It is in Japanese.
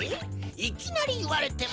いきなりいわれても。